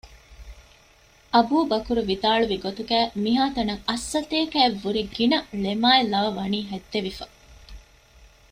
އަބޫބަކުރު ވިދާޅުވި ގޮތުގައި މިހާތަނަށް އަށްސަތޭކަ އަށް ވުރެ ގިނަ ޅެމާއި ލަވަ ވަނީ ހެއްދެވިފަ